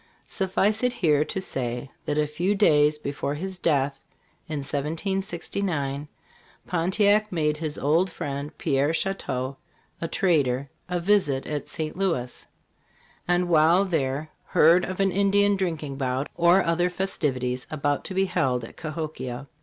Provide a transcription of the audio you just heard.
Suffice it here to say, that a few days before his death, in 1769, Pontiac made his old friend, Pierre Chouteau, the trader, a visit at St. Louis ; and while there heard of an Ind ian drinking bout or other festivities about to be held at Cahokia.